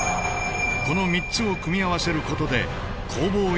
この３つを組み合わせることで攻防